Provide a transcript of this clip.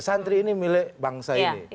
santri ini milik bangsa ini